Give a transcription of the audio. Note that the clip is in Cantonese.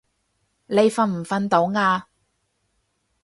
你瞓唔瞓到啊？